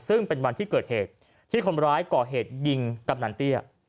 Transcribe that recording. ซึ่งเป็นวันที่เกิดเหตุที่คนร้ายก่อเหตุยิงกำนันเตี้ย